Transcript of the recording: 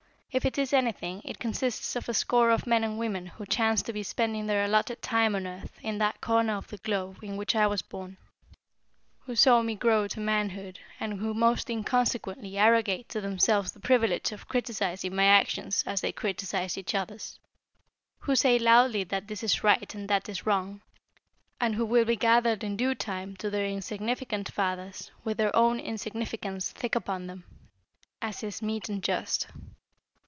If it is anything, it consists of a score of men and women who chance to be spending their allotted time on earth in that corner of the globe in which I was born, who saw me grow to manhood, and who most inconsequently arrogate to themselves the privilege of criticising my actions, as they criticise each other's; who say loudly that this is right and that is wrong, and who will be gathered in due time to their insignificant fathers with their own insignificance thick upon them, as is meet and just.